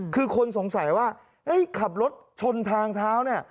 คือคนสงสัยว่าขับรถชนทางเท้าเนี่ย